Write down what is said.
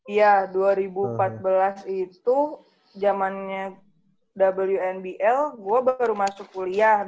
iya dua ribu empat belas itu jamannya wnbl gue baru masuk kuliah